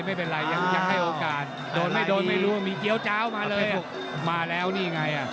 ไม่เป็นไรยังให้โอกาสโดนไม่โดนไม่รู้ว่ามีเกี้ยวเจ้ามาเลยมาแล้วนี่ไง